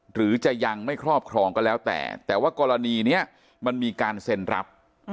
หรือจะยังไม่ครอบครองก็แล้วแต่แต่ว่ากรณีนี้มันมีการเซ็นรับ